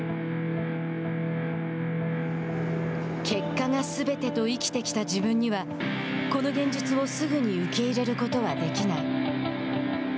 結果がすべてと生きてきた自分にはこの現実をすぐに受け入れることはできない。